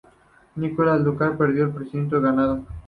Nicolás Lúcar perdió el prestigio ganado.